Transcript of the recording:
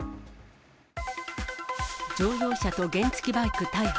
乗用車と原付きバイク大破。